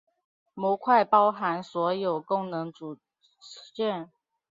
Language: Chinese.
模块包含所有功能组件。